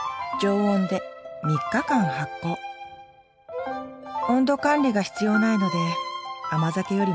温度管理が必要ないので甘酒よりも簡単ですよ